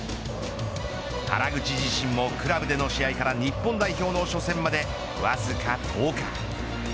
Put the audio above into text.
原口自身もクラブでの試合から日本代表の初戦までわずか１０日。